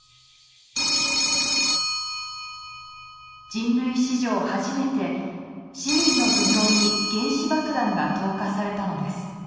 人類史上初めて市民の頭上に原子爆弾が投下されたのです。